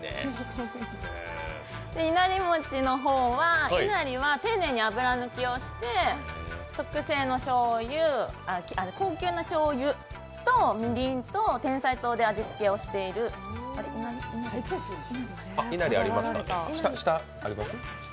いなり餅の方はいなりは丁寧に油抜きをして高級なしょうゆとみりんと、てんさい糖で味付けをしています。